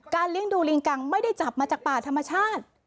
เลี้ยงดูลิงกังไม่ได้จับมาจากป่าธรรมชาติ